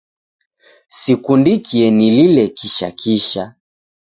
Sikundikie nilile kisha kisha